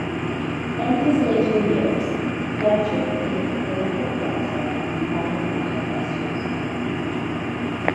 In his later years, Fletcher became a prolific writer on environmental issues.